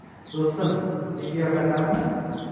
- Do'stim, menga yoqasanmi?